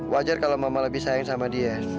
wajar kalau mama lebih sayang sama dia